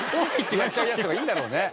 やっちゃうヤツとかいるんだろうね。